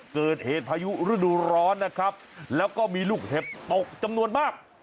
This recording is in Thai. พายุฤดูร้อนนะครับแล้วก็มีลูกเห็บตกจำนวนมาก